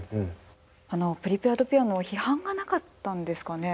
あのプリペアド・ピアノは批判がなかったんですかね？